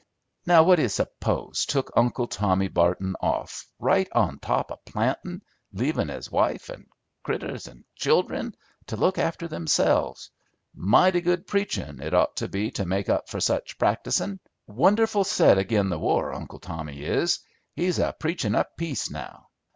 "Now what do you s'pose took Uncle Tommy Barton off right on top of plantin', leavin' his wife 'n' critters 'n' child'en to look after themselves? Mighty good preachin' it ought to be to make up for such practicin'. Wonderful set ag'in the war, Uncle Tommy is. He's a preachin' up peace now.